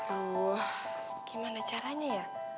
aduh gimana caranya ya